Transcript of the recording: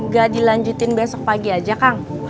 gak dilanjutin besok pagi aja kang